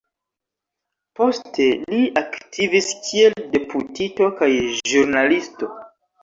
Poste li aktivis kiel deputito kaj ĵurnalisto.